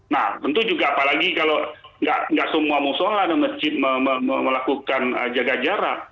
nah tentu juga apalagi kalau nggak semua musola dan masjid melakukan jaga jarak